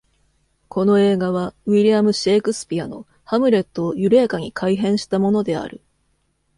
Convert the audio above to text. この映画は、ウィリアム・シェイクスピアの「ハムレット」を緩やかに改変したものである。